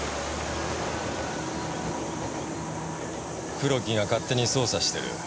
黒木が勝手に捜査してる。